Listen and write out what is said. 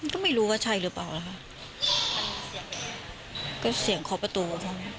ก็ไม่รู้ว่าใช่หรือเปล่าล่ะค่ะก็เสียงเคาะประตู